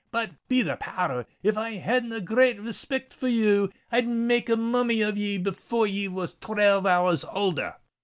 But, be the power r s! if I hadn't a great respict for ye, I'd make a mummy of ye before ye was twelve hours oulder."